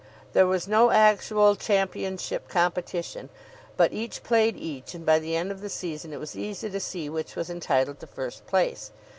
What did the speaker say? There was no actual championship competition, but each played each, and by the end of the season it was easy to see which was entitled to first place.